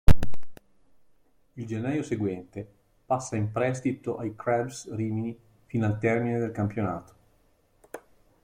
Il gennaio seguente passa in prestito ai Crabs Rimini fino al termine del campionato.